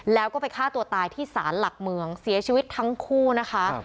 แล้วก็ไปฆ่าตัวตายที่ศาลหลักเมืองเสียชีวิตทั้งคู่นะคะ